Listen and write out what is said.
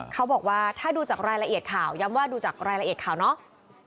เขาบอกว่าถ้าดูจากรายละเอียดข่าวย้ำว่าดูจากรายละเอียดข่าวเนาะ